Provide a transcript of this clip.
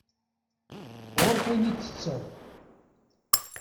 Ɣur-k ayen i ttetteḍ.